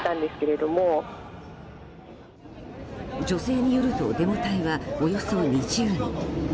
女性によるとデモ隊は、およそ２０名。